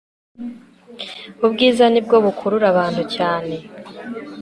ubwiza ni bwo bukurura abantu cyane